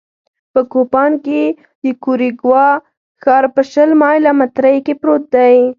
په کوپان کې د کیوریګوا ښار په شل مایله مترۍ کې پروت دی